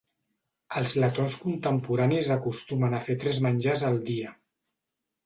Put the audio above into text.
Els letons contemporanis acostumen a fer tres menjars al dia.